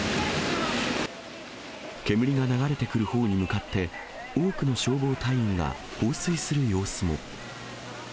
煙が流れてくるほうに向かって、多くの消防隊員が放水する様子も。